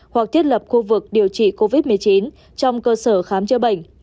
hoặc thiết lập khu vực điều trị covid một mươi chín trong cơ sở khám chữa bệnh